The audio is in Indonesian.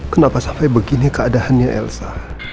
kenapa sampai begini keadaannya elsa